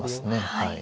はい。